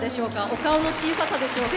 お顔の小ささでしょうか。